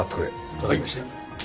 わかりました。